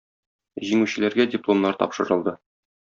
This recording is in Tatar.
Җиңүчеләргә дипломнар тапшырылды.